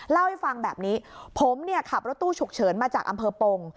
เล่าให้ฟังแบบนี้ผมเนี่ยขับรถตู้ฉุกเฉินมาจากอำเภอปง